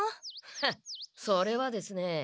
フッそれはですね